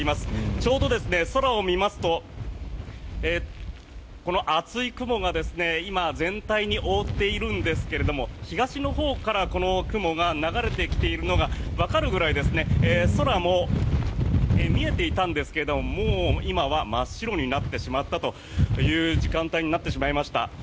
ちょうど空を見ますと厚い雲が今、全体に覆っているんですが東のほうからこの雲が流れてきているのがわかるくらい空も見えていたんですがもう今は真っ白になってしまったという時間帯になってしまいました。